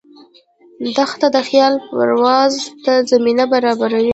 دښته د خیال پرواز ته زمینه برابروي.